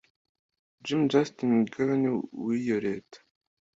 Jim Justice, Guverineri w'iyo leta,